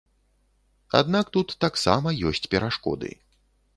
Аднак тут таксама ёсць перашкоды.